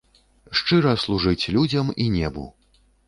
Шчыра служыць людзям і небу!